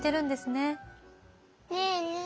ねえねえ。